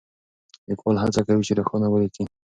ليکوال هڅه کوي چې روښانه وليکي.